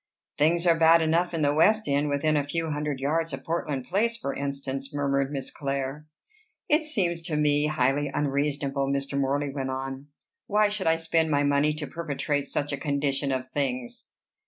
"Things are bad enough in the West End, within a few hundred yards of Portland Place, for instance," murmured Miss Clare. "It seems to me highly unreasonable," Mr. Morley went on. "Why should I spend my money to perpetuate such a condition of things?"